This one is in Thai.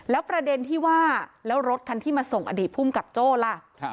แล้วประเด็นที่ว่าแล้วรถคันที่มาส่งอดีตภูมิกับโจ้ล่ะ